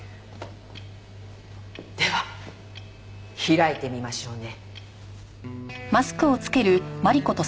では開いてみましょうね。